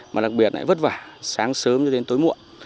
mà đặc biệt lại vất vả sáng sớm cho đến tối muộn